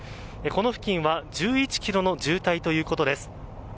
この付近は１１ｋｍの渋滞ということです。